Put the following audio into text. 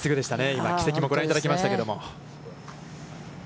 今、軌跡もご覧いただきましたけれども。